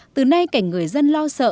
từ nay cảnh người dân lo sợ